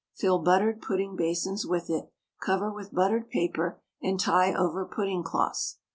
Fill buttered pudding basins with it, cover with buttered paper, and tie over pudding cloths.